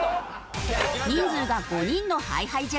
人数が５人のＨｉＨｉＪｅｔｓ。